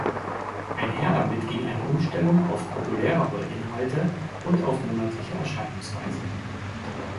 Einher damit ging eine Umstellung auf populärere Inhalte und auf monatliche Erscheinungsweise.